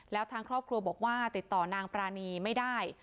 แล้วทางครอบครัวบอกว่าติดต่อนางปรานีไม่ได้